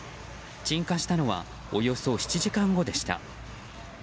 鎮火したのはおよそ７時間後でした。